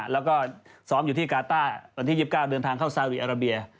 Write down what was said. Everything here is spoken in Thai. แล้วก็ซ้อมอยู่ที่กาต้าวันที่๒๙เดินทางเข้าซาดีอาราเบีย